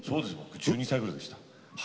１２歳ぐらいでした。